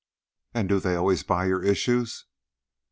"And do they always buy your issues?"